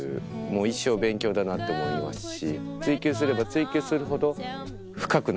一生勉強だなって思いますし。